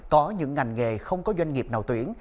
có những ngành nghề không có doanh nghiệp nào tuyển